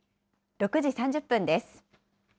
６時３０分です。